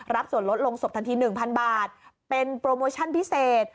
รับส่วนลดลงศพทันทีหนึ่งพันบาทเป็นโปรโมชั่นพิเศษ